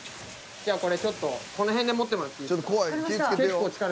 じゃあこれちょっとこの辺で持ってもらっていいですか？